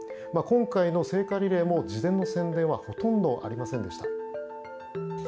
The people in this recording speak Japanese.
今回の聖火リレーも事前の宣伝はほとんどありませんでした。